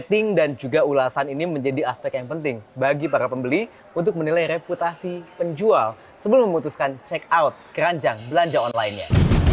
meeting dan juga ulasan ini menjadi aspek yang penting bagi para pembeli untuk menilai reputasi penjual sebelum memutuskan check out keranjang belanja online nya